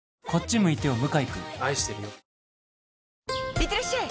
いってらっしゃい！